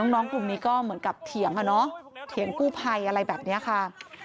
น้องกลุ่มนี้ก็เหมือนกับเถียงอะเนาะเถียงกู้ภัยอะไรแบบนี้ค่ะ